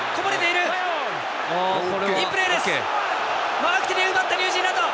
マーク・テレアが奪ったニュージーランド。